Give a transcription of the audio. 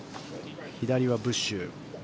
左はブッシュ。